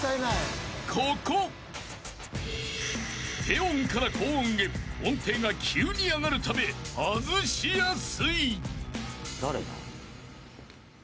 ［低音から高音へ音程が急に上がるため外しやすい］